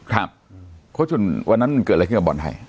ครับโค้ชุนวันนั้นเกิดอะไรขึ้นกับบอลไทย